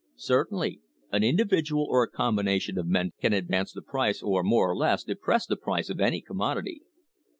Certainly; an individual or a combination of men can advance the price or more or less depress the price of any commodity.